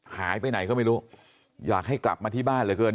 หายไปไหนก็ไม่รู้อยากให้กลับมาที่บ้านเหลือเกิน